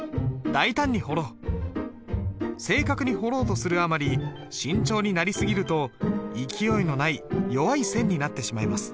正確に彫ろうとするあまり慎重になり過ぎると勢いのない弱い線になってしまいます。